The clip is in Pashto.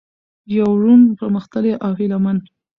د يو روڼ، پرمختللي او هيله من